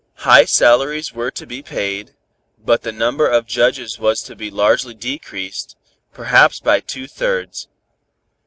High salaries were to be paid, but the number of judges was to be largely decreased, perhaps by two thirds.